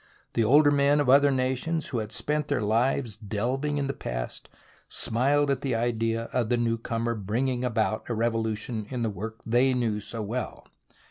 The older men of other nations who had spent their lives delving in the past smiled at the idea of the new comer bringing about a revolution in the work they knew so well.